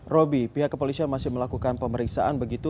roby pihak kepolisian masih melakukan pemeriksaan begitu